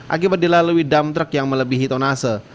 akibat dilalui dam truk yang melebihi tonase